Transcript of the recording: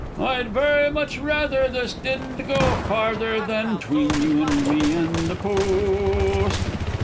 I'd very much rather this didn't go farther, than 'tween you and me and the Post!